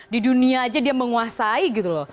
di dunia aja dia menguasai gitu loh